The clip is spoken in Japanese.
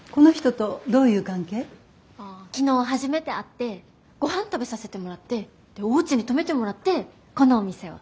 昨日初めて会ってごはん食べさせてもらってでおうちに泊めてもらってこのお店を。